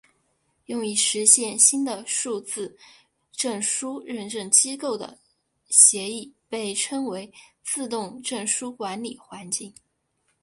用以实现新的数字证书认证机构的协议被称为自动证书管理环境。